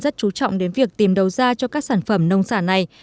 rất chú trọng đến việc tìm đầu ra cho các sản phẩm nông sản này